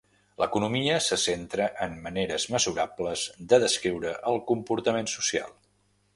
L'economia se centra en maneres mesurables de descriure el comportament social.